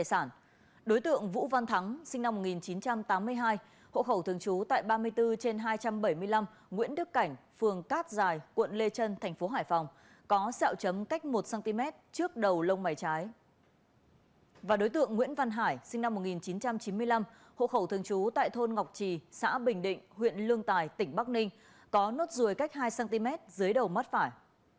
và đối tượng nguyễn văn hải sinh năm một nghìn chín trăm chín mươi năm hộ khẩu thường trú tại thôn ngọc trì xã bình định huyện lương tài tỉnh bắc ninh có nốt ruồi cách hai cm dưới đầu mắt phải